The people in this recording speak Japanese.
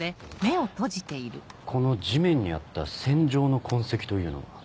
この地面にあった線状の痕跡というのは？